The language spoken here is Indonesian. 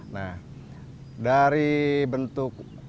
nah dari bentuk